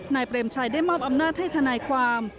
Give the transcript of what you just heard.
เปรมชัยได้มอบอำนาจให้ทนายความ